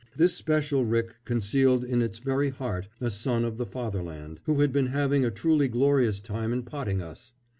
This special rick concealed in its very heart a son of the Fatherland, who had been having a truly glorious time in potting us.